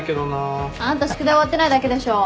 あんた宿題終わってないだけでしょ。